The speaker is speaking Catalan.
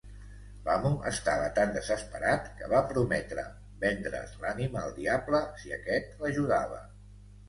L'amo estava tan desesperat que va prometre vendre's l'ànima al diable si aquest l'ajudava.